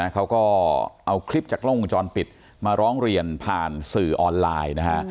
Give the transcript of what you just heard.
เขาก็เอาคลิปจากกล้องวงจรปิดมาร้องเรียนผ่านสื่อออนไลน์นะฮะ